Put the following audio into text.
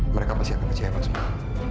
mereka pasti akan kecewa semua